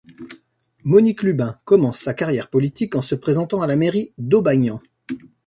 Monique Lubin commence sa carrière politique en se présentant à la mairie d'Aubagnan.